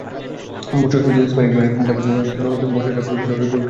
পরশু স্প্যানিশ দৈনিক দেপোর্তিভো মুন্দোর বর্ষসেরা পুরুষ খেলোয়াড়ের পুরস্কার পেয়েছেন ইনিয়েস্তা।